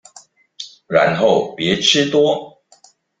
然後別吃多